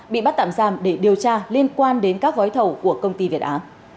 bị bắt tạm giam để điều tra liên quan đến các gói thầu của công ty việt á